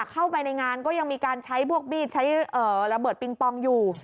เข้าไปในงานก็ยังมีการใช้พวกมีดใช้ระเบิดปิงปองอยู่